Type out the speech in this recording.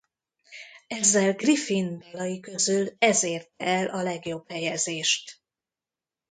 Ezzel Griffin dalai közül ez érte el a legjobb helyezést.